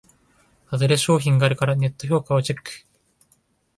ハズレ商品があるからネット評価をチェック